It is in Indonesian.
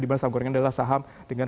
dimana saham gorengan adalah saham dengan